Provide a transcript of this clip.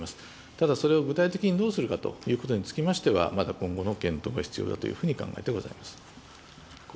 ただ、それを具体的にどうするかということにつきましては、まだ今後の検討が必要だというふうに考えてございます。